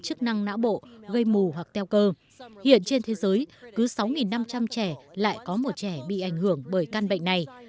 chức năng não bộ gây mù hoặc teo cơ hiện trên thế giới cứ sáu năm trăm linh trẻ lại có một trẻ bị ảnh hưởng bởi căn bệnh này